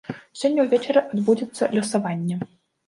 Сёння ўвечары адбудзецца лёсаванне.